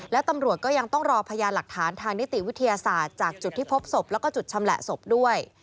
และตำรวจก็ยังต้องรอพยานหลักฐานทางนิติวิทยาศาสตร์จากจุดที่พบศพแล้วก็จุดชำแหละศพด้วย